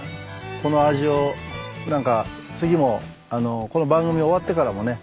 この味をなんか次もこの番組が終わってからもね